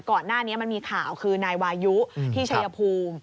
ก่อนหน้านี้มันมีข่าวคือนายวายุที่ชัยภูมิ